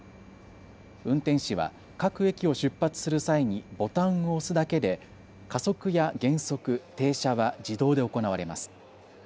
運転士は各駅を出発する際にボタンを押すだけで加速や減速、停車は自動で行われます。